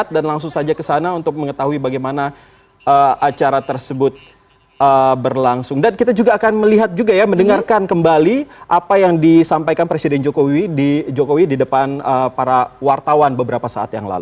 terima kasih terima kasih